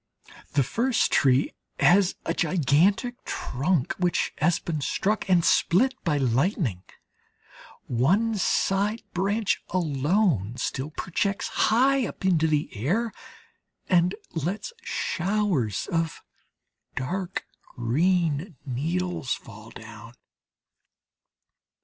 The first tree has a gigantic trunk which has been struck and split by lightning; one side branch alone still projects high up into the air, and lets showers of dark green needles fall down.